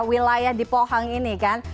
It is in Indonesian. wilayah di pohang ini kan